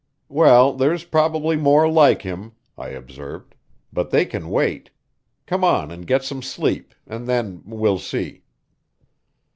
"Well, there's probably more like him," I observed. "But they can wait. Come on and get some sleep, and then we'll see."